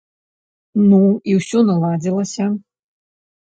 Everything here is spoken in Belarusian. Ну і ўсё наладзілася.